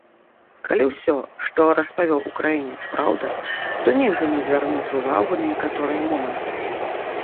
Калі ўсё, што распавёў украінец, праўда, то нельга не звярнуць увагу на некаторыя моманты.